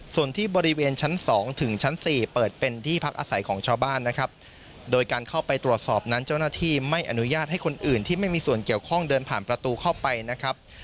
ส่วนที่บริเวณชั้น๒ถึงชั้น๔เปิดเป็นที่พักอาศัยของชาวบ้านนะครับโดยการเข้าไปตรวจสอบนั้นเจ้าหน้าที่ไม่อนุญาตให้คนอื่นที่ไม่มีส่วนเกี่ยวข้องเดินผ่านประตูเข้าไปนะครับ